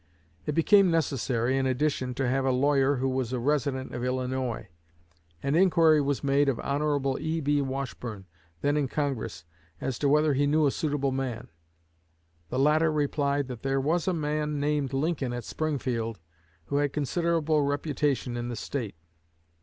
It became necessary, in addition, to have a lawyer who was a resident of Illinois; and inquiry was made of Hon. E.B. Washburne, then in Congress, as to whether he knew a suitable man. The latter replied that "there was a man named Lincoln at Springfield, who had considerable reputation in the State."